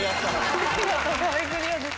見事壁クリアです。